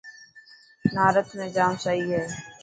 نارٿ ۾ جام سئي هي.